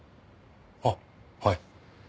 あっはい。